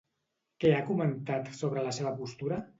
Què ha comentat sobre la seva postura?